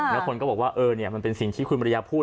แล้วคนก็บอกว่าเออเนี่ยมันเป็นสิ่งที่คุณมาริยาพูด